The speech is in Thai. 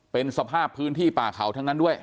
เป็นสภาพพื้นที่ป่าเขาทั้งนั้นด้วย